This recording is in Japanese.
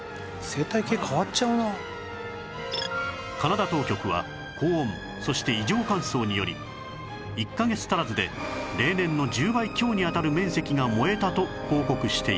カナダ当局は高温そして異常乾燥により１カ月足らずで例年の１０倍強に当たる面積が燃えたと報告しています